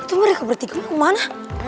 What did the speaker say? itu mereka bertiga kemana